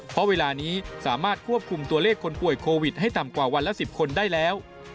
เพราะเวลานี้สามารถควบคุมตัวเลขคนป่วยโควิดให้ต่ำกว่าวันละ๑๐คนได้แล้ว